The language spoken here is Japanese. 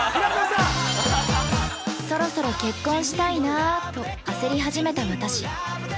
◆そろそろ結婚したいなぁと焦り始めた私。